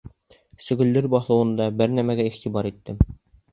Сөгөлдөр баҫыуында бер нәмәгә иғтибар иттем.